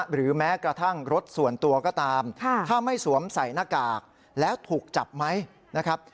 หรือแม้กระทั่งรถส่วนตัวก็ตามถ้าไม่สวมใส่หน้ากากแล้วถูกจับไหมนะครับ